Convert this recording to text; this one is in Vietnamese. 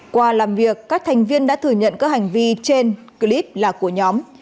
qua làm việc các thành viên đã thừa nhận các hành vi trên clip là của nhóm